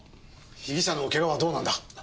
被疑者のケガはどうなんだ。